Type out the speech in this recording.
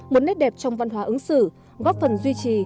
một nét đẹp trong văn hóa ứng xử góp phần duy trì